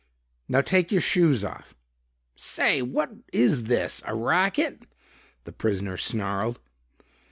"Now take your shoes off." "Say, what is this, a racket?" the prisoner snarled.